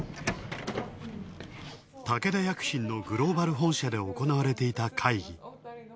武田薬品のグローバル本社で行われていた会議。